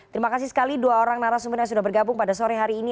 terima kasih sekali dua orang narasumber yang sudah bergabung pada sore hari ini